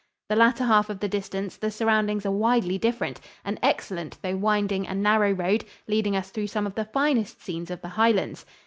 The latter half of the distance the surroundings are widely different, an excellent though winding and narrow road leading us through some of the finest scenes of the Highlands.